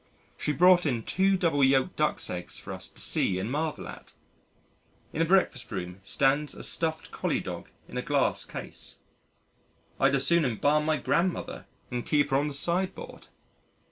She brought in two double yolked Ducks' eggs for us to see and marvel at. In the breakfast room stands a stuffed Collie dog in a glass case. I'd as soon embalm my grandmother and keep her on the sideboard.